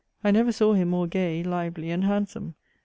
I never saw him more gay, lively, and handsome.